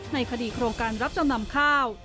ในคดีโครงการรับจำนำข้าว